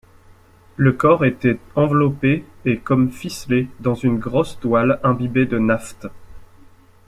Le corps était enveloppé et comme ficelé dans une grosse toile imbibée de naphte.